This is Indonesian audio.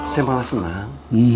saya malah senang